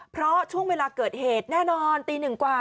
เพราะช่วงเวลาเกิดเหตุแน่นอนตีหนึ่งกว่า